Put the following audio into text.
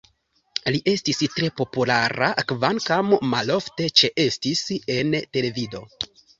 Li estis tre populara, kvankam malofte ĉeestis en televido.